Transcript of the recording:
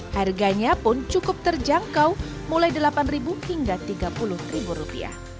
harganya pun cukup terjangkau mulai rp delapan hingga rp tiga puluh